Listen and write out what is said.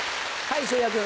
はい。